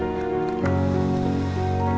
aku masih bercinta sama kamu